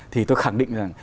thì tôi khẳng định rằng